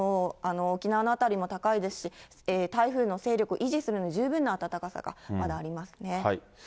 沖縄の辺りも高いですし、台風の勢力維持するのに十分な暖かさがまだありますね。